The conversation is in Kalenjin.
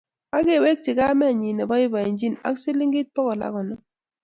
Akewekchi kamenyi neboiboichini ak siling bogol ak konom